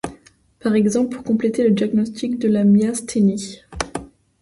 Par exemple pour compléter le diagnostic de la myasthénie.